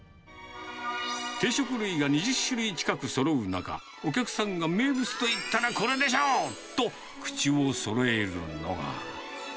定食類が２０種類近くそろう中、お客さんが名物といったらこれでしょ！と口をそろえるのが。